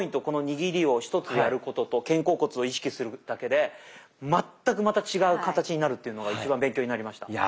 この握りを一つやることと肩甲骨を意識するだけで全くまた違う形になるっていうのが一番勉強になりました。